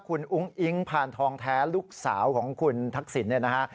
คุณอุ้งอิ๊งพานทองแท้ลูกสาวของคุณทักษิณเนี่ยนะฮะ